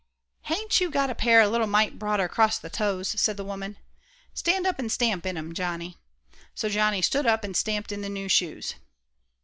"Hain't you got a pair a little mite broader across the toes?" asked the woman. "Stand up and stamp in 'em, Johnny." So Johnny stood up and stamped in the new shoes.